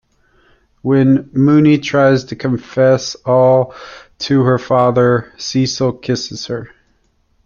When Mooney tries to confess all to her father, Cecil kisses her.